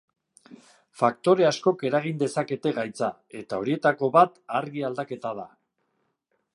Faktore askok eragin dezakete gaitza, eta horietako bat argi-aldaketa da.